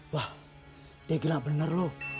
wah dia gelap bener loh